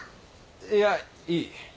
いやいい。